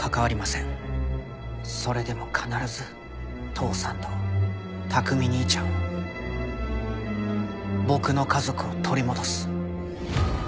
それでも必ず父さんと琢己兄ちゃんを僕の家族を取り戻す。